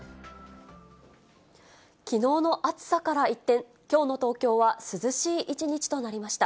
きのうの暑さから一転、きょうの東京は涼しい一日となりました。